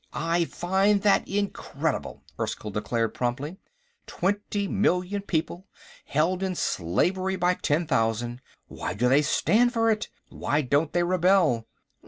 "I find that incredible," Erskyll declared promptly. "Twenty million people, held in slavery by ten thousand! Why do they stand for it? Why don't they rebel?"